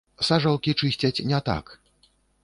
Сажалкі чысцяць не так.